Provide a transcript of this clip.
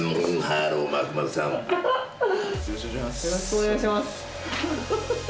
よろしくお願いします。